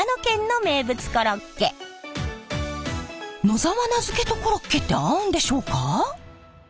野沢菜漬けとコロッケって合うんでしょうか？